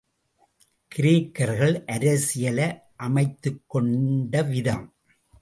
கிரேக்கர்கள் அரசியலை அமைத்துக் கொண்ட விதம்.